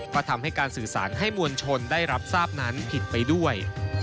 ก็ทำให้การสื่อสารให้มวลชนได้รับทราบนั้นผิดไปด้วย